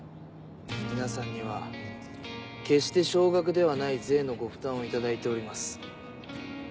皆さんには決して少額ではない税のご負担をいただいております。